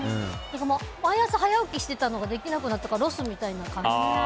毎朝早起きしていたのができなくなったからロスみたいな感じ。